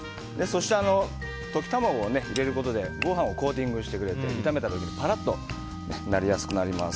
そして、溶き卵を入れることでご飯をコーティングしてくれて炒めた時にパラッとなりやすくなります。